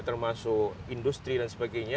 termasuk industri dan sebagainya